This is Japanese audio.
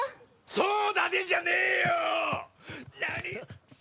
そうだねじゃねーよ！